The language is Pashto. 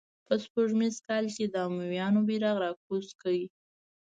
په سپوږمیز کال یې د امویانو بیرغ را کوز کړ.